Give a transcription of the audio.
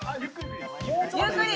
ゆっくり！